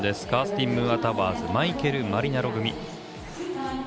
カーステン・ムーアタワーズマイケル・マリナロ組。